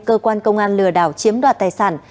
cơ quan công an lừa đảo chiếm đoạt tài sản